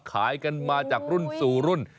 ขายกันมาจากรุ่นสู่รุ่น